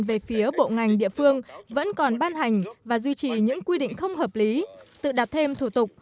về phía bộ ngành địa phương vẫn còn ban hành và duy trì những quy định không hợp lý tự đặt thêm thủ tục